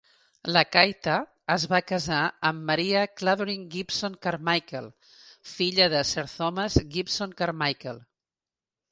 Lacaita es va casar amb Maria Clavering Gibson-Carmichael, filla de Sir Thomas Gibson-Carmichael.